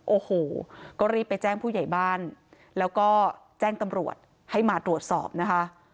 โอ้โหก็รีบไปแจ้งผู้ใหญ่บ้านแล้วก็แจ้งตำรวจให้มาตรวจสอบนะคะ